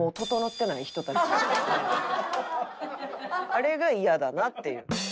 あれがイヤだなっていう。